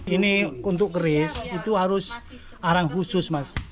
ini untuk keris itu harus arang khusus mas